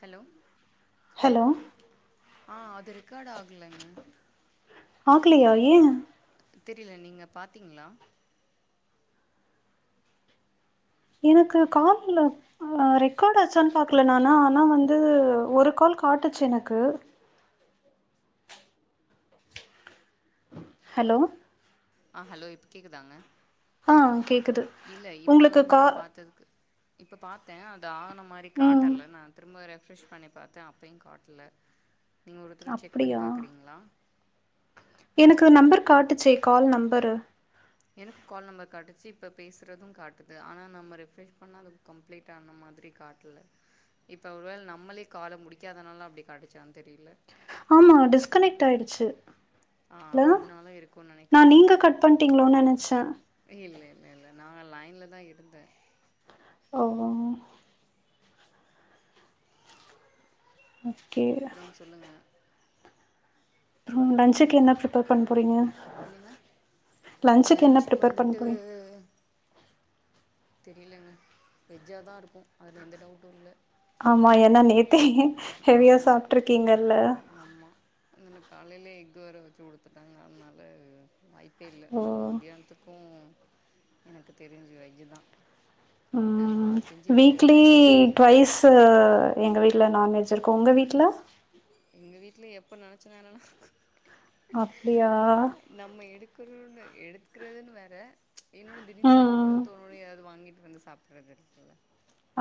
hello hello ஆ அது record ஆகலைங்க பாக்லேயா ஏ தெரில நீங்க பாத்தீங்ளா எனக்கு காலில்ல ஆ ரெக்கார்ட் ஆச்சா நா பாக்கல நானா ஆனா வந்து ஒரு கால் காட்டுச்சு எனக்கு ஹலோ ஆ ஹலோ இப்போ கேக்குதாங்க ஆ ஆ‌ கேக்குது இல்ல இப்ப உங்களுக்கு வந்து கா நா பாத்ததுக்கு இப்ப பாத்தே அது ஆன மாரி ம் காட்டல நா திரும்ப ரெஃப்ரெஷ் பண்ணி பாத்தே அப்பயு காட்டல நீங்க ஒரு தடவ செக் பண்ணி அப்டியா பாக்கிறீங்களா எனக்கு நம்பர் காட்டுச்சே கால் நம்பரு எனக்கு கால் நம்பர் காட்டுச்சி இப்ப பேசுறதும் காட்டுது ஆனா நம்ம ரெஃப்ரெஷ் பண்ணா அது கம்ப்ளீட் ஆன மாதிரி காட்டல இப்ப ஒருவேள நம்மளே கால முடிக்காதனாலா அப்டி காட்டுச்சான்னு தெரில ஆமா டிஸ்கனெக்ட் ஆயிடுச்சு ஆ லோ அதனால இருக்குன்னு நா நெனைக்கிறே நீங்க கட் பண்ணிட்டீங்களோன்னு நெனச்சே இல்ல இல்ல இல்ல நா லைன்ல தா இருந்தே ஓஹோ ஓகே அப்றோ சொல்லுங்க ம் லன்சுக்கு என்ன ப்ரிப்பேர் பண்ண போறீங்க என்னங்க லஞ்ச்சுக்கு என்ன ப்ரிப்பேர் பண்ண போறீங்க உ [unintelligible] தெரியலங்க வெஜ்ஜா தா இருக்கும் அதில் எந்த டவுட்டும் இல்ல ஆமா ஏன்னா நேத்தே ஹெவியா ஆமா சாப்பட்ருக்கீங்கல்ல ஆமா அந்தண்ண காலையிலே எக்கு வேற வச்சு கொடுத்துட்டாங்க அதனால வாய்ப்பே இல்ல ஓ நல்ல மத்தியானத்துக்கத எனக்கு தெரிஞ்சு வெஜ் தா நா நா ம் கெஞ்சி கேக்குறது வீக்லி தயவு செஞ்சு ட்வைஸ் த்து எங்க வீட்ல நான்வெஜ் இருக்கூ உங்க வீட்ல எங்க வீட்ல எப்ப நெனச்சனேரல்லா அப்டியா நம்ம எடுக்குறோன்னு எடுக்கிறதுன்னு வேற இன்னொன்னு ம் திடீர்னு ம் சாப்புன்னுனு தோணு ஏதாவ்து வாங்கிட்டு வந்து சாப்பிடுறதுருக்குல்ல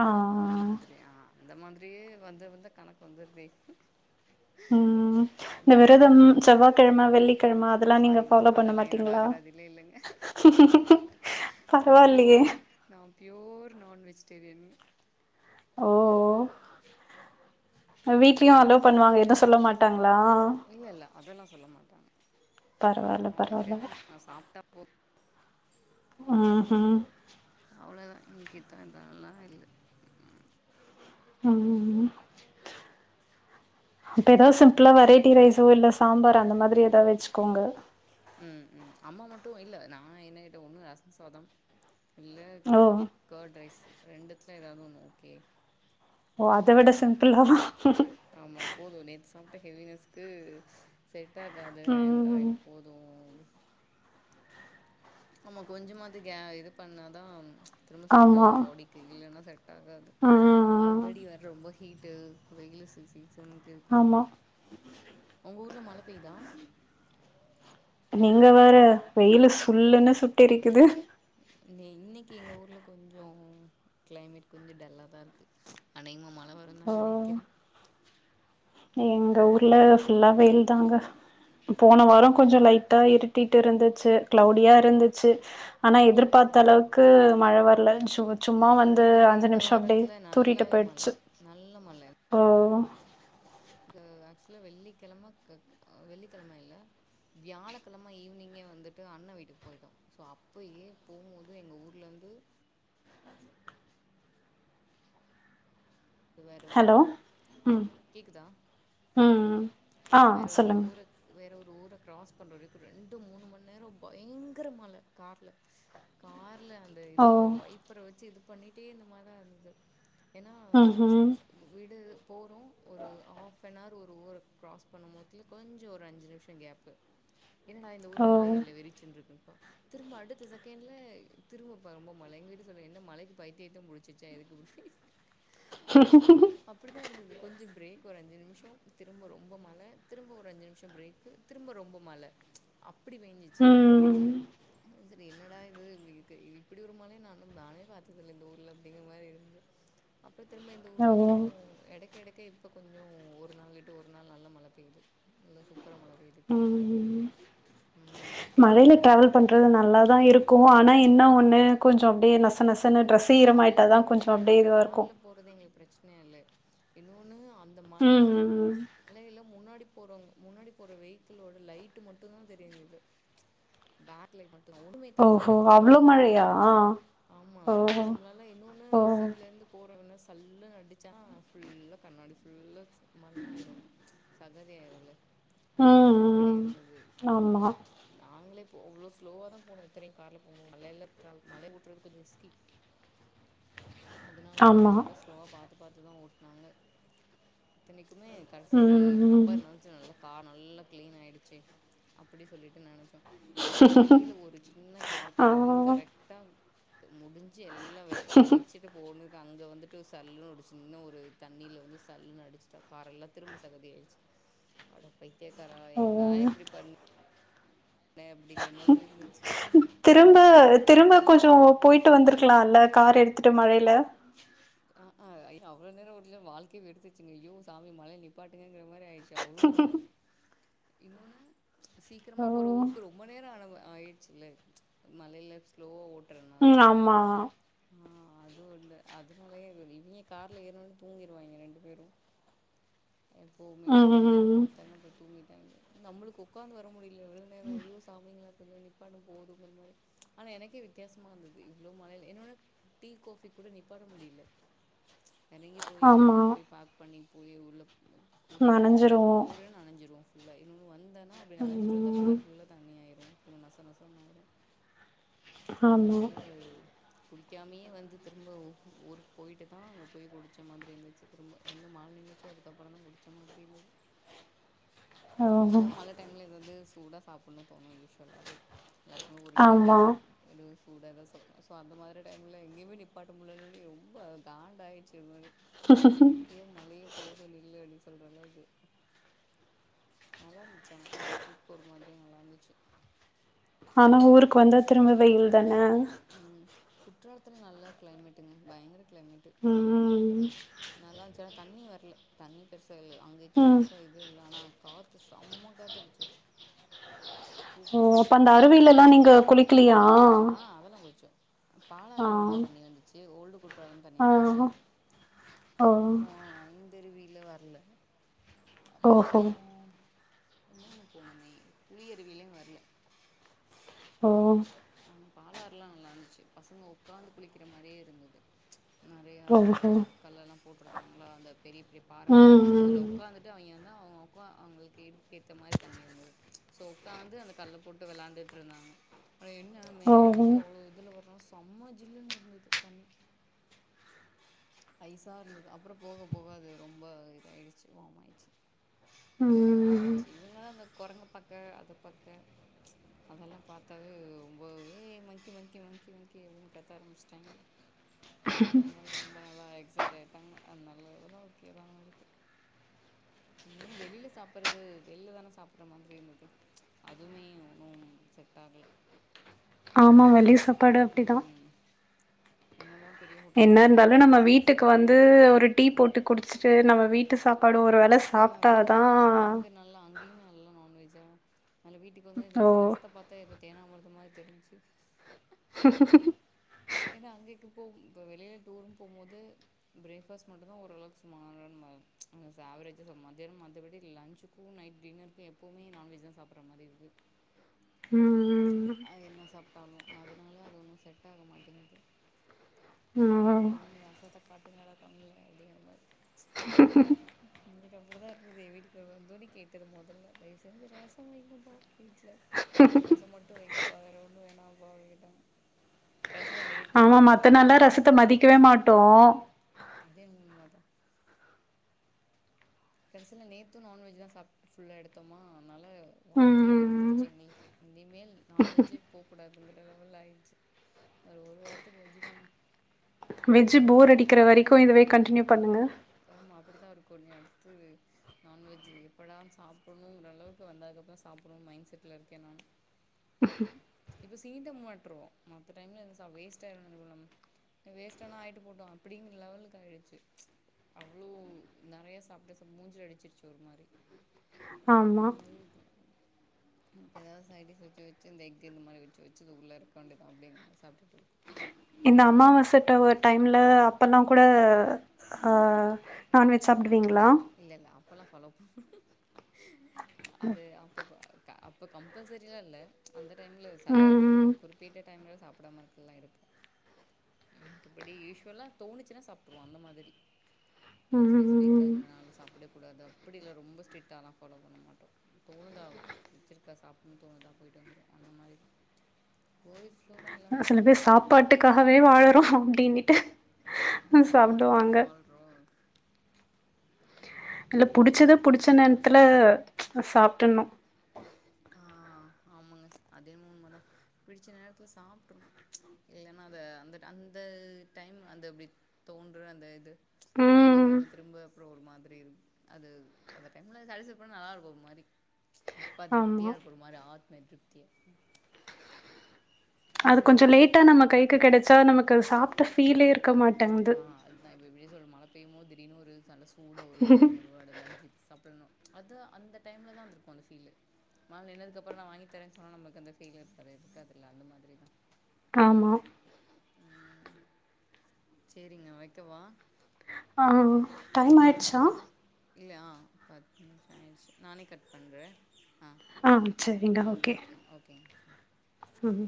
ஆ அந்த மாதிரி ஆ அந்த மாதிரியே வந்து வந்த கணக்கு வந்துரு ம் ம் இந்த விரதம் செவ்வாக்கெழம வெள்ளிக்கெழம அதெல்லா நீங்க சாரிங்க ஃபாலோ பண்ண அதெல்லா என்னோட மாட்டீங்ளா [inaudible] அகராதிலே இல்லைங்க நா பியூர் நா ப்யூர் நான் வெஜிடேரியன் ஓ வீட்லயு அளோ எனக்கு பண்ணுவாங்க எது சொல்ல மாட்டாங்களா இல்ல இல்ல அதெல்லா சொல்ல மாட்டாங்க பரவால்ல அவுங்களுக்கு பரவால்ல தேவ நா சாப்ட்டா போது ம் ஹும் அவ்ளதா எங்கிட்ட அதெல்லா இல்ல ம் இப்போ எதாவ்து சிம்பிளா வெரைட்டி ரைஸோ இல்ல சாம்பார் அந்த மாதிரி ஏதா வெச்சுக்கோங்க ம் ம் அம்மா மட்டு இல்ல நா என்ன கேட்டே ஒன்னு ரசம் சாதம் இல்ல ஓ கேர்ட் ரைஸ் ரெண்டுத்துல எதாவ்து ஒன்னு ஓகே ஓ அத விட சிம்பிளா ஆமா போது நேத்து சாப்ட்ட ஹெவினஸ்க்கு செட் ஆகாது வேண்டா ம் இது போது து ஆமா கொஞ்சமாது இது பண்ணாதா திரும்ப செட் ஆமா ஆகூ பாடிக்கு இல்லைன்னா செட் ஆகாது ம் ம் ம் ஆல்ரெடி வேற ரொம்ப ஹீட்டு வெயில் சீசன் இருக்கும் ஆமா ஒங்க ஊர்ல மழ பெயுதா நீங்க வேற வெயிலு சுல்லுன்னு சுட்டெரிக்குது நீ இன்னைக்கி எங்க ஊர்ல கொஞ்சொ க்ளைமேட் கொஞ்சொ டல்லா தா இருக்கு அனேகமா மழ வருன் தா ஓ நெனைக்கிறே எங்க ஊர்ல ஃபுல்லா வெயில் தாங்க போன வாரொ கொஞ்ச லைட்ட இருட் டிட்டு இருந்துச்சு கிளௌடியா இருந்துச்சு ஆனா எதிர்பாத்த அளவுக்கு மழ வர்ல இல்ல சும்மா வந்து எங்களுக்கு அஞ்சு இந்த நிமிஷொ அப்டியே வாரத்துல தூறிட்டு நல்லாவே மழ போயிடுச்சு நல்ல மழ ஓ க ஆக்சுவலா வெள்ளிக்கெழம வெள்ளிக்கெழம இல்ல வியாழக்கெழம ஈவ்னிங்கே வந்துட்டு அண்ண வீட்டுக்கு போய்டோ ஸோ அப்பயே போகம்போது எங்க ஊர்லேந்து வேற ஹலோ ஊர்க்கூ ம் கேக்குதா ம் ம் ஆ அதா வேற ஒரு சொல்லுங்க ஊர வேற ஒரு ஊர க்ராஸ் பண்ற வரைக்கூ ரெண்டு மூணு மணி நேரொ பயங்கரமழ கார்ல கார்ல அந்த ஓ இத வைப்பர வச்சு இது பண்ணிட்டே இந்த மாரிதா இருந்தது ஏன்னா ம்ஹும் ங்க வீடு போறோ ஒரு ஆஃப் பெனார் ஒரு ஊர க்ராஸ் பண்ணும்போத கொஞ்ச ஒரு அஞ்சு நிமிஷம் கேப்பு எனடா நா இந்த ஊர்ல ஓ மழையே இல்ல வெறிச்சுருக்குன்னுப்பா திரும்ப அடுத்த செகண்ட்ல திரும்ப இப்ப ரொம்ப மழை எங்க விட்ல சொல்ற என்ன மழைக்கு பைத்தியத்தியம் முடிச்சிச்சா எதுக்குப்டி ஏனா அப்புடிதா இருந்துது கொஞ்சோ ப்ரேக் ஒரு அஞ்சி நிமிஷொ திரும்ப ரொம்ப மழ திரும்ப ஒரு அஞ்சி நிமிஷொ ப்ரேக் திரும்ப ரொம்ப மழ அப்டி பேஞ்சிச்சி ம் இது என்னடா இது இப்டிருக்கு இப்புடி ஒரு மலய நானு நானே பாத்ததில்ல இந்த ஊர்ல அப்டிங்ற மாரி இருந்துது அப்ப திரும்ப இந்த ஓ ஊர்ரு அப்றோ எடைக்கடைக்க ப்ப கொஞ்சோ ஒரு நாள்விட்டு ஒரு நாள் நல்ல மழ பெய்து நல்ல சூப்ரா மழ பெய்து திக்கு ம் ம் மழையில அ டிராவல் பண்றது நல்ல தா இருக்கு ஆனா என்ன ஒண்ணு கொஞ்சோ அப்டியே நஷ னுநஷன்னு இன்னொன்று ட்ரெஸே ஈரமாய்ட்டாதா கொஞ்சோ அப்டியே இதுவாருக்கு போறது எங்ளுக் ப்ரச்சன இல்லே இன்னொன்னு அந்த மாரி ம் ம் ம் மலையில முன்னாடி போறவங்க முன்னாடி போற வெஹிக்கிள்ளோட லைட்டு மட்டுதா தெரிஞ்சிது பேக்லைட் மட்டு ஒன்னுமே தெரில ஓஹோ அவ்ளோ மழ மழையா ஆமா ஓ அப்ப நம்ளால இன்னொன்னு ஓ சைட்லருந்து போறவன்ன சல்லுனு அடிச்சா ஃபுல்லா கண்ணாடி ஃபுல்லா மண்ணாயிரு சகதியாயிருல்ல ம் ம் ஆமா நாங்ளே போ அவ்ளோ ஸ்லோவாதா போனோ இத்தனயு கார்ல போம் மழைல்ல ட்ரா மழைழ ஓட்றது கொஞ்சோ ரிஸ்கி அதுனால கொஞ்சோ ஆமா ரொம்ப ஸ் லோவா பாத்து பாத்து தா ஓட்னாங்க இத்தனைக்குமே கடசேரி ம் அப் அப்போ ம் நெனச்ச நல்ல கார் நல்லா க்ளீன் ஆயிடுச்சு அப்டி சொல்லிட்டு நெனச்சோ கடைசில ஒரு சின்ன ஆ கார்காரே வந்து கரெக்டா முடிஞ் சி எல்லா வெ வெறிசிட் போணுக்கு அங்க வந்துட்டு சல்லுன்னு ஒரு சின்ன ஒரு தண்ணியில வந்து சல்லுன்னு அடிச்சுட்டா கார எல்லா திரும்ப சகதி ஆய்டுச்சு அட பைத்தியக்காரா ஏண்டா ஓ இப்டி பண் இருந்துச்சு திரும்ப திரும்ப வேணு கொஞ்சோ பொய்ட்டு வந்துருக்லால கார் எடுத்துட்டு மழையில ஆ அ ஐய்யோ அவ்ளோ நேரோ இல்ல ஒரு வாழ்க்கயே வெறுத்துருச்சுங்க அய்யோ சாமி மழய நிப்பாட்டுங்க மாரி ஆய்டுச்சு எவ்ளோ மழ இன்னொன்னு சீக்ரமா போற ஓ ஊருக்கு ரொம்ப நேரோ ஆன ஆய்டுச்சுல மழைல க்லோவா ஓட்றனால ம் ஆமா ஆ அது ஒன்னு அதனாலயே இவிங்க கார்ல ஏர்னனோனைய தூங்கிடுவாங்க ரெண்டு பேரு எப்பவுமே ம் கொஞ்ச நேரோ ம் பாத்தாங்க அப்றோ தூங்கிட்டாங்க நம்பளுக்கு ஒக்காந்து வர முடில எவ்ளோ நேரோ ஐயோ சாமிங்ளா கொஞ்சோ நிப்பாட்டுங்க போதுங்கிற மாரி ஆனா எனக்கே வித்தியசமா இருந்துது இவ்ளோ மழைல இன்னொன்னு டீ காஃபி கூட நிப்பாட்ட முடில எறங்கி போயி ஆமா நடந்து போயி பார்க் பண்ணி போயி உள்ள கூட்டிட்டு பிள்ளைங்ள நனஞ்சிருவோ போறே நனஞ்சிரு ஃபுல்லா இன்னொன்னு வந்தெனா அப்டி நனசிட்டு வந்தா ம் கார் ஃபுல்லா தண்ணி ஆயிரு அப்றோ நச நசனு ஆயிரு ஆமா அதனால பூடிக்காமயே வந்து திரும்ப ஊருக்கு போய்ட்டுதா அங்க போய் புடிச்ச மாதிரி இருந்துச்சு திரும்ப எங்க மழ நின்னுச்சோ அதுக்கப்றோதா குடிச்ச மாதிரி இருந்துது ஓ ஆமா எதோ மழ டைம்ல்ல இது வந்து சூடா சாப்புட்ணு தோணு யூஸ்வலாவே எல்லாருக்குமே ஒரு டீயோ ஆமா ஒரு சூட எதா சாப்புட்னு சோ அந்த மாதிரி டைம்ல எங்கயுமே நிப்பாட்ட முடியிலனோனே ரொம்ப காண்ட ஆய்டுச்சு ஒரு மாரி ஐயோ மழையே போது நில்லு அப்டின் சொல்ற அளவுக்கு நல்லாருந்துச்சு ஆனா இந்த ட்ரிப் ஒரு மாதிரி நல்லாருந்துச்சு ஆனா ஊருக்கு வந்தா திரும்ப வெயில் தானே ம் குற்றாலத்துல நல்ல க்ளைமேட்டுங்க பயங்கர க்ளைமேட்டு ம் நல்லான்ச்சு ஆனா தண்ணி வர்ல தண்ணி பெருசா இல்ல அங்கக்கு ம் பெருசா இது இல்ல ஆனா காத்து செம்ம காத்து அடிச்சது ஓ அப்ப அந்த அருவிலல்லா நீங்க குலிக்கிலியா குளிச்சோ பாலாறுல நல்லா தண்ணி வந்துச்சு ஓல்டு கு குற்றாலம் தண்ணி வந்துச்சு ஆ ஓ அப்ற ஐந்தருவியில வர்ல அப்ற ஓஹோ இன்னொண்ணு போனமே குளியருவிலயு வர்ல ஓ ஆனா பாலாறுல்லா நல்லார்ந்துச்சு பசங்க உட்காந்து குளிக்கிற மாரியே இருந்தது நெறையா அந்த ஓஹோ கல்லல்லா போட்ருந்தாங்ளா அந்த பெரிய பெரியப் பார மாறி ம் இஞ்ச்சு அதுல ம் உக்காந்துட்டு அவிங்க வந் அவங்க ஒக்கா அவங்களுக்கு இடுப்புக்கு ஏத்த மாரி தண்ணி இருந்தது ஸோ உக்காந்து அந்த கல்ல போட்டு வெளாண்டுட்டு இருந்தாங்க ஆனா என்ன மேல இருந்து ஓ அவ்ள இதுல வரு சம்ம ஜில்லுன்னு இருந்தது தண்ணி ஐஸா இருந்தது அப்ற போக போக அது ரொம்ப இதாயிடுச்சு வாம் ஆயிடுச்சு ம் நல்லாஞ்ச்சு இவங்கதா அந்த கொரங்க பாக்க அத பாக்க அதெல்லா பாத்தாவே அ ரொம்பவே மங்க்கி மங்க்கி மங்க்கி மங்க்கி அப்புட்னு கத்த ஆரம்பிச்சிட்டாங்க ரொம்ப நல்லா எக்ஸைட் ஆய்ட்டாங்க ஆதனால எல்லா ஓகேதா அவங்களுக்கு இன்னொன்னு வெளில சாப்புட்றது வெள்லதானே சாப்ற மாதிரி இருந்தது அதுமே ஒன்னும் செட் ஆகல ஆமா வெளி சாப்பாடு அப்டிதா ம் என்னதா பெரிய ஹோ என்ன இருந்தாலு நம்ம வீட்டுக்கு வந்து ஒரு டீ போட்டு குடிச்சுட்டு நம்ம வீட்டு சாப்பாடு ஒரு வேல அதா வீட்ல சாப்ட்டாதா அது அங்க நல்லா அங்கேயுமே நல்லா நான்வெஜ்ஜா நல்லா வீட்டுக்கு வந்தது ஓ தயச ரசத்த பாத்த தேனாமிர்தமா தெரிஞ்ச்சு ஏன்னா அங்கேக்கு போம் இப்ப வெளில டூருன் போம்போது ப்ரேக்ஃபாஸ்ட் மட்டுதா ஓரளவுக்கு சுமாரா நம்ப ஆவரேஜ் மத்யான மத்தபடி லன்ச்சுக்கு நைட் டின்னருக்கு எப்போமே நான்வெஜ்தா சாப்ற மாரி இருக்கு ம் அ என்ன சாப்ட்டாலு அதனால அது ஒன்னு செட் ஆக மாட்டேங்குது ம் வீட்டுக்கு வந்தொன்ன ரசத்த காட்டுங்கடா கண்ல அப்டிங்கற மாரி இருக் ஹும் ஹும் ஹும் எங்ளுக்கு அப்டிதா இருந்தது வீட்டுக்கு வந்தோன்னே கேட்டது மொதல்ல தயவு செஞ்சு ரச வைங்கப்பா வீட்ல ரசம் மட்டு வைங்கப்பா வேற ஒண்ணு வேணாம் அப்பன்னிட்டாங்க கடைசில நேத்து ஆமா மத்த நாள்லா நான்வெஜ்தா ரசத்த சாப்ற மாரி மதிக்கவே ஆயிடுச்சு மாட்டோ அதே உண்மதா கடைசில நேத்து நான்வெஜ்தா சாப் ஃபுல்லா எடுத்தோமா அதனால வாழ்க்கையே ம் வெறுத்துடுச்சு எங்ளுக்கு இனிமேல் நான்வெஜ்ஜே போக்கூடாதுங்கிற லெவல் ஆயிடுச்சு ஒரு ஒரு வாரத்துக்கு வெஜ்ஜுதா வெஜ் போர் அடிக்கிற வரைக்கு இதுவே கண்ட்டின்யூ பண்ணுங்க ஆமா அப்டிதா இருக்கு இனி அடுத்தது நான்வெஜ் எப்படா சாப்பிட்ணுங்கிறளவுக்கு வந்ததுக்கப்புற சாப்பிட்ணும்னு மைண்ட் செட்ல இருக்கே நானு ஹும் ஹும் இப்ப சீண்ட மாட்றோ மத்த டைம்ல என்ன சா வேஸ்ட் [unintelligible] வேஸ்டானா ஆய்ட்டு போட்டு அப்பிடிங்க லெவலுக்கு ஆயிடு அவ்வளோ நறைய சாப்ட்டு சோ மூஞ்சில அடிச்சிருச்சு ஒரு மாரி அந் ஆமா மாரி இருக்கு இப்ப எதாவத் சைட் டிஸ் வெச்சு வெச்சு இந்த எக்கு இந்த மாரி வெச்சு வெச்சு உள்ளார அன்ப்பவேண்டிதா அப்டினு சாப்டுட்டுருக்கோ இந்த அம்மாவாச டவ டைம்ல அப்பெல்லா கூட அ நான்வெஜ் சாப்டுவீங்களா இல்ல இல்ல அப்பொல்லா ஃபாலோ பண்ணுவோ அது அப்பப்ப க அப்போ கம்பல்சரியா இல்ல அந்த டைம்ல செல ம் குறிப்பிட்ட டைம்ல சாப்பிடாம இருக்கல இருப்போ மத்லபடி யூஷ்வலா தோணுச்சுன்னா சாப்ட்ருவோ அந்த மாதிரி ம் ஸ்பெசிஃபிக்கா ம் இந்த நாள் சாப்பிட கூடாது அப்படி இல்ல ரொம்ப ஸ்ட்ரிட்டாலா ஃபாலோ பண்ண மாட்டோ தோணுதா வெச்சிருக்கா சாப்புண்ணு தோணுதா போயிட்டு வந்துருவோ அந்த மாரிதா [unintelligible] ஸ்லோதா இல் அ சில பேர் சாப்பாட்டுக்காகவே வாழறோ அப்டின்னுட்டு அ சாப்டுவாங்க றோ இல்ல புடிச்சத புடிச்ச நேரத்துல அ சாப்டின்னு ஆ ஆமாங்க அதேன்மோ உண்மதா பிடிச்ச நேரத்துல சாப்ட்ருனு இல்லன்னா அத அந்த அந்த டைம் அந்த அப்டி தோன்ற அந்த இது கிரேவிங் ம் வந்து திரும்ப அப்றோ ஒரு மாதிரி இரு அது அந்த டைம்ல [unintelligible] நல்லாருக்கு ஒரு மாரி அப்பா திடீன் ஆமா ஒரு மாரி ஆத்ம திருப்திய அது கொஞ்சோ சின்ன லேட்டா நம்ம கைக்கு கெடச்சா நமக்கது சாப்ட்ட ஃபீலே இருக்க மாட்டங்து நா இப்ப எப்டியே சொல் மழை பெய்யும்மோத் திடீன்னு ஒரு சல்ல சூடா ஒரு டீ ஒரு வட பஜ்ஜி சாப்பிடணு அது அந்த டைம்ல தா அந்திருக்கு அந்த ஃபீலு மழ நின்னதுக்கப்புற நா வாங்கி தரேன சொன்னா நம்மளுக் அந்த ஃபீல் இருக்காது இருக்காதுல்ல அந்த மாதிரிதா ஆமா ம் செரிங்க வெக்கவா ஆ டைம் ஆ ஆயிடுச்சா இப்பண் இல்லயா பத்து நிம்ஷ ஆய்ர்ச்சி நானே கட் பண்றே ஆ ஆ ஓகே ஓகேங்க ஆ ம் ம்